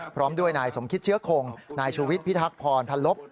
พร้อมด้วยนายสมคิดเชื้อคงนายชูวิทย์พิทักษรพันลบ